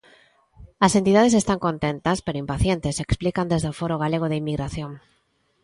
As entidades están contentas, pero impacientes, explican desde o Foro Galego da Inmigración.